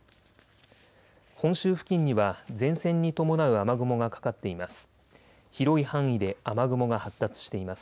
本州付近には前線に伴う雨雲がかかっています。